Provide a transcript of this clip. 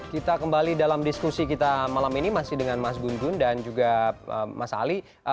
kita kembali dalam diskusi kita malam ini masih dengan mas gun gun dan juga mas ali